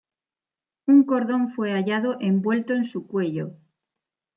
Un cordón fue hallado envuelto en su cuello.